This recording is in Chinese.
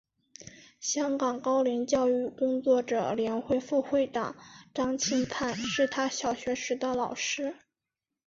香港高龄教育工作者联会副会长张钦灿是他小学时的老师。